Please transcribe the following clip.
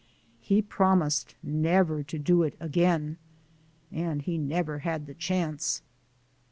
He promised never to do it again, and he never had the chance!